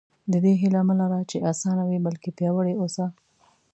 د دې هیله مه لره چې اسانه وي بلکې پیاوړي اوسئ.